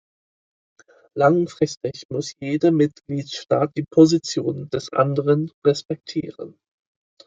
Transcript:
Langfristig muss jeder Mitgliedstaat die Position des anderen respektieren.